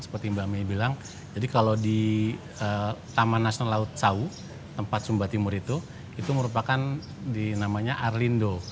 seperti mbak may bilang jadi kalau di taman nasional laut sawu tempat sumba timur itu itu merupakan di namanya arlindo